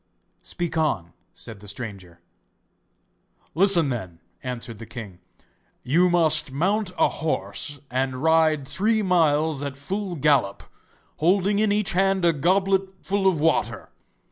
'Speak on,' said the stranger. 'Listen, then,' answered the king; 'you must mount a horse and ride three miles at full gallop, holding in each hand a goblet full of water.